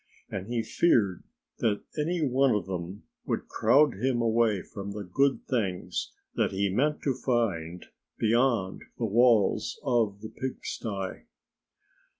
And he feared that any one of them would crowd him away from the good things that he meant to find beyond the walls of the pigsty.